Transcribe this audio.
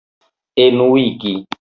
enuigi